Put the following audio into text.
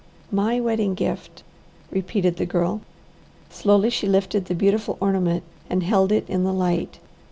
"My wedding gift!" repeated the Girl. Slowly she lifted the beautiful ornament and held it in the light.